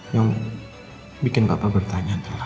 yang bikin papa bertanya adalah